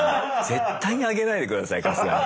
絶対にあげないで下さい春日に。